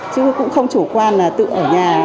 chứ cũng không chủ quan là tự ở nhà